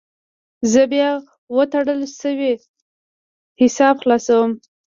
زه بیا وتړل شوی حساب خلاصوم.